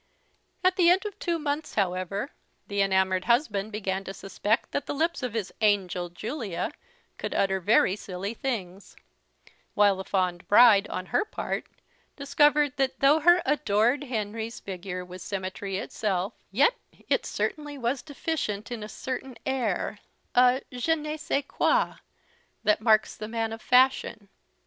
At the end of two months, however, the enamoured husband began to suspect that the lips of his "angel Julia" could utter very silly things; while the fond bride, on her part, discovered that though her "adored Henry's" figure was symmetry itself, yet it certainly was deficient in a certain air a je ne sais quoi that marks the man of fashion.